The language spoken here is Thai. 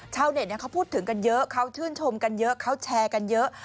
ชาวเน็ตเขาพูดถึงกันเยอะเขาชื่นชมกันเยอะเขาแชร์กันเยอะ